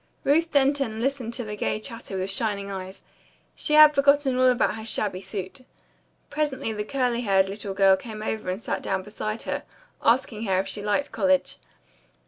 Ruth Denton listened to the gay chatter with shining eyes. She had forgotten all about her shabby suit. Presently the curly haired little girl came over and sat down beside her, asking her if she liked college.